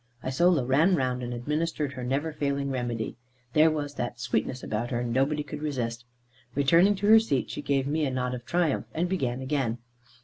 Isola ran round, and administered her never failing remedy. There was that sweetness about her nobody could resist it. Returning to her seat, she gave me a nod of triumph, and began again.